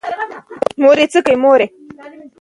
ځمکه د افغانستان د هیوادوالو لپاره ویاړ دی.